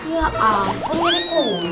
ya ampun ini kunci